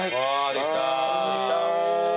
できた。